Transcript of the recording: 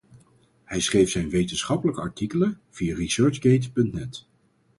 Hij schreef zijn wetenschappelijke artikelen via ResearchGate.net.